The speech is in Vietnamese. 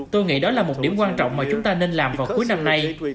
tôi nghĩ đó là một điểm quan trọng mà chúng ta nên làm vào cuối năm nay